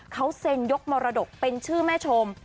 เขาเซ็นยกมรดกเป็นชื่อแม่ชม